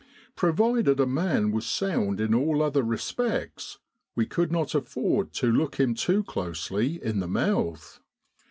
Provided a man was sound in all other respects, we could not afford to look him too closely in the mouth.